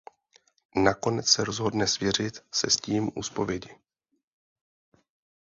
Nakonec se rozhodne svěřit se s tím u zpovědi.